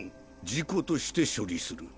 事故として処理する。